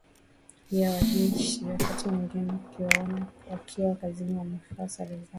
ya majeshi wakati mwingine ukiwaona wakiwa kazini wamefaa sare zao